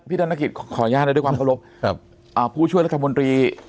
พี่ธนกิจขออนุญาตได้ด้วยความเคารพผู้ช่วยและกับมนตรี